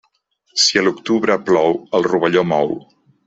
Si a l'octubre plou, el rovelló mou.